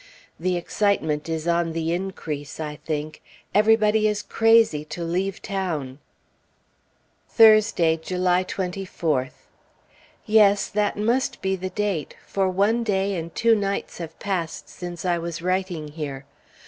The excitement is on the increase, I think. Everybody is crazy to leave town. Thursday, July 24th. Yes; that must be the date, for one day and two nights have passed since I was writing here.